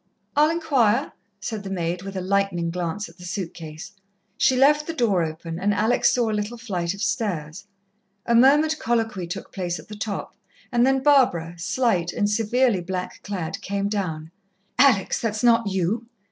"I'll inquire," said the maid, with a lightning glance at the suit case. She left the door open, and Alex saw a little flight of stairs. A murmured colloquy took place at the top, and then Barbara, slight and severely black clad, came down. "Alex, that's not you?"